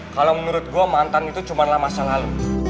kalau menurut gue mantan itu cumalah masa lalu